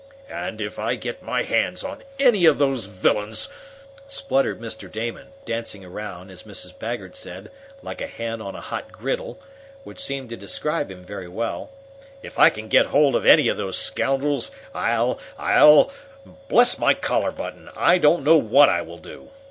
"And if I can get my hands on any of those villains " spluttered Mr. Damon, dancing around, as Mrs. Baggert said, "like a hen on a hot griddle," which seemed to describe him very well, "if I can get hold of any of those scoundrels, I'll I'll Bless my collar button, I don't know what I will do!